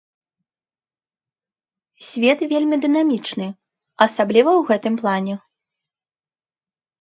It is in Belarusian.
Свет вельмі дынамічны, асабліва ў гэтым плане.